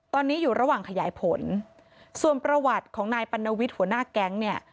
ตอนนี้อยู่ระหว่างขยายผลส่วนประวัติของนายปัณวิทย์หัวหน้าแก๊งเนี่ย